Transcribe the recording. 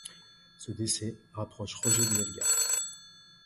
Ce décès rapproche Roger de Helga.